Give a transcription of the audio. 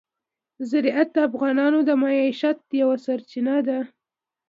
زراعت د افغانانو د معیشت یوه سرچینه ده.